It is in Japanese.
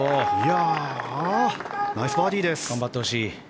ナイスバーディーです。頑張ってほしい。